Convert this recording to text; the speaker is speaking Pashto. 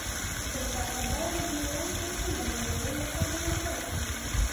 پښتانه باید د ډیورنډ کرښې له منځه وړلو لپاره یوځای شي.